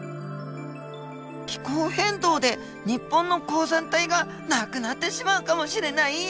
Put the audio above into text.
気候変動で日本の高山帯がなくなってしまうかもしれない？